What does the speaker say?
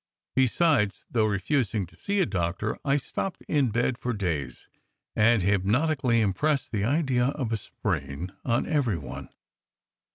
Besides, though refusing to see a doctor, I stopped in bed for days, and hypnotically impressed the idea of a sprain on every one.